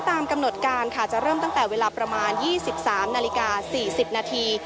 ตามกำหนดการค่ะจะเริ่มตั้งแต่เวลาประมาณ๒๓นาฬิกา๔๐นาที